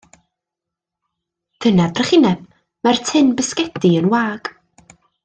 Dyna drychineb, mae'r tin bisgedi yn wag.